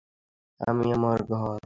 আমার, আমার ঘাড়, স্যার।